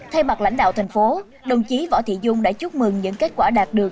thay mặt lãnh đạo thành phố đồng chí võ thị dung đã chúc mừng những kết quả đạt được